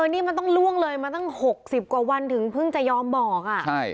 นี่มันต้องล่วงเลยมาตั้ง๖๐กว่าวันถึงเพิ่งจะยอมบอก